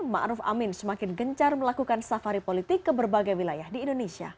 ma'ruf amin semakin gencar melakukan safari politik ke berbagai wilayah di indonesia